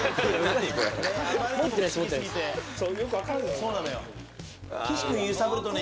そうなのよ。